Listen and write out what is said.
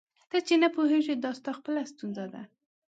ته چي نه پوهېږې دا ستا خپله ستونزه ده.